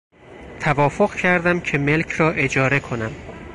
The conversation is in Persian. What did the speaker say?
توافق کردم که ملک را اجاره کنم.